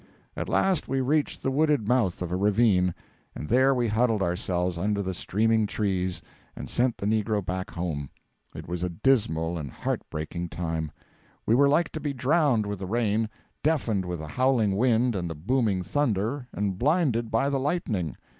At last we reached the wooded mouth of a ravine, and there we huddled ourselves under the streaming trees, and sent the negro back home. It was a dismal and heart breaking time. We were like to be drowned with the rain, deafened with the howling wind and the booming thunder, and blinded by the lightning.